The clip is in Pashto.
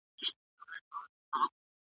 مګر پام کوه چي خوله دي نه کړې خلاصه .